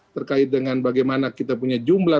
terkait dengan bagaimana kita punya jumlah